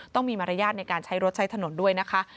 ต้องมีมารยาทในการใช้รถใช้ถนนด้วยนะคะ